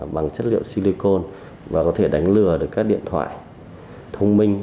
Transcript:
bằng chất liệu silicon và có thể đánh lừa được các điện thoại thông minh